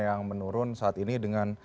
yang menurun saat ini dengan